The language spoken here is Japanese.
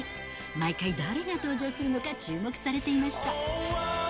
毎回、誰が登場するのか、注目されていました。